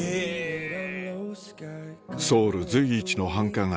ソウル随一の繁華街